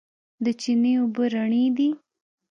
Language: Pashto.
د چينې اوبه رڼې دي.